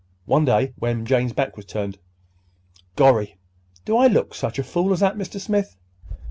—one day when Jane's back was turned. Gorry! Do I look such a fool as that, Mr. Smith?